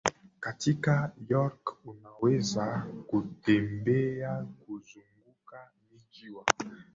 Katika York unaweza kutembea kuzunguka Mji wa